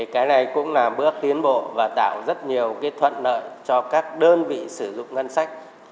cái này cũng là bước tiến bộ và tạo rất nhiều thuận lợi cho các đơn vị sử dụng ngân sách